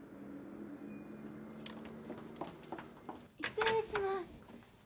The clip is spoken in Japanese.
失礼します。